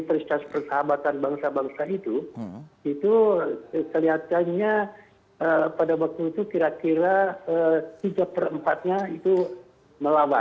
peristiwa persahabatan bangsa bangsa itu itu kelihatannya pada waktu itu kira kira tiga per empatnya itu melawan